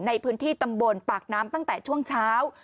ในพื้นที่ตำบลปากน้ำตั้งแต่ช่วงเช้า